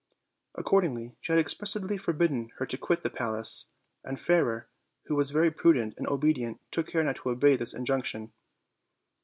Accordingly, she had expressly forbidden her to quit the palace, and Fairer, who was very prudent and obedient, took care not to disobey this injunction.